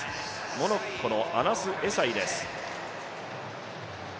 モロッコのアナス・エサイです。